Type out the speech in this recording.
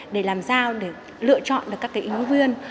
để làm sao để lựa chọn các cái ứng viên